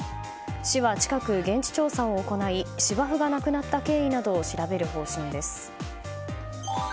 市は近く現地調査を行い芝生がなくなった経緯などを調べる方針です。